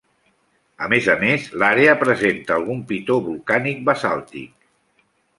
A més a més, l'àrea presenta algun pitó volcànic basàltic.